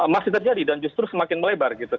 masih terjadi dan justru semakin melebar gitu